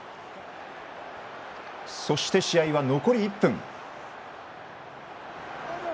そして、試合は残り１分。